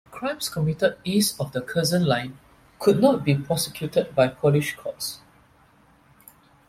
Crimes committed east of the Curzon line could not be prosecuted by Polish courts.